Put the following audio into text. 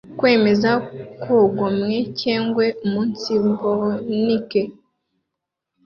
Kwemere kwigomwe cyengwe umunsivunike